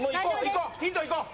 ヒントいこう！